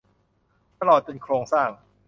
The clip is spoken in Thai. ตลอดจนโครงสร้าง